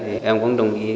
thì em cũng đồng ý